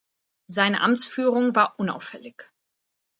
Seine Amtsführung war unauffällig.